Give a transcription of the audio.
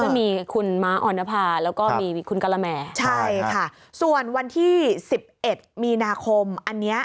มีคุณม้าออนภาแล้วก็มีคุณกะละแม่ใช่ค่ะส่วนวันที่๑๑มีนาคมอันนี้